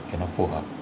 cho nó phù hợp